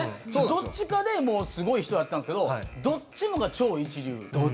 どっちかでもうすごい人やったんですけどどっちも。